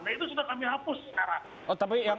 nah itu sudah kami hapus sekarang